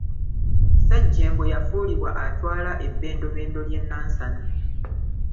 Ssejengo yafuulibwa atwala ebbendebendo ly’e Nansana.